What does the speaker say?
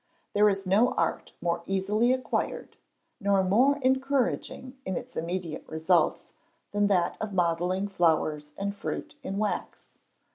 There is no art more easily acquired, nor more encouraging in its immediate results, than that of modelling flowers and fruit in wax.